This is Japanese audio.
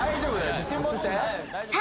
自信持ってさあ